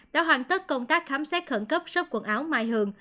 đã hoàn tất công tác khám xét khẩn cấp sốc quần áo mai hường